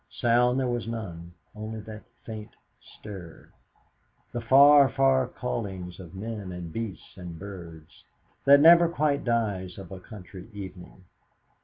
Sound there was none, only that faint stir the far, far callings of men and beasts and birds that never quite dies of a country evening.